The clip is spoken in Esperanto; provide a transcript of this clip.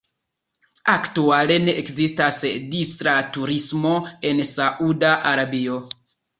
Aktuale ne ekzistas distra turismo en Sauda Arabio.